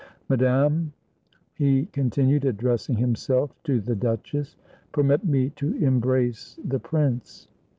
"Madame," he continued, addressing himself to the duchess, "permit me to embrace the prince."